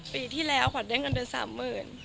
ปีที่แล้วขวัญได้เงินเดือน๓๐๐๐๐คม